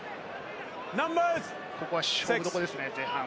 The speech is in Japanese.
ここは勝負どころですね、前半。